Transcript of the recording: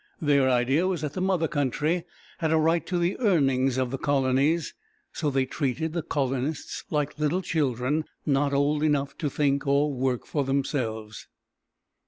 Their idea was that the mother country had a right to the earnings of the colonies, so they treated the colonists like little children, not old enough to think or work for themselves.